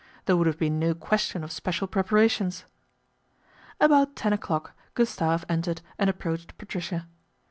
There would have been no question of special preparations. About ten o'clock Gustave entered and ap >roached Patricia.